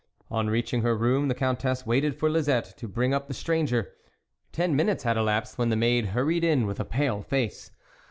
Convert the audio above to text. On reaching her room, the Countess waited for Lisette to bring up the stranger. Ten minutes had elapsed when the maid hurried in with a pale face.